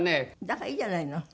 だからいいじゃないの。